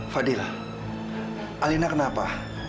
fadil alina kenapa